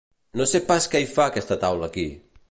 No sé pas què hi fa aquesta taula aquí!